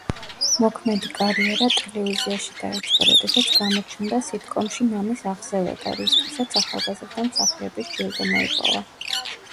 მოქმედი კარიერა ტელევიზიაში დაიწყო, როდესაც გამოჩნდა სიტკომში „მამის აღზევება“, რისთვისაც ახალგაზრდა მსახიობის ჯილდო მოიპოვა.